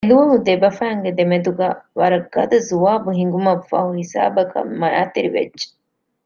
އެދުވަހު ދެބަފައިންގެ މެދުގައި ވަރަށް ގަދަ ޒުވާބު ހިނގުމަށްފަހު ހިސާބަކަށް މައިތިރިވެއްޖެ